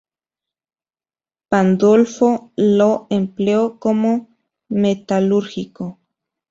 Pandolfo lo empleó como metalúrgico.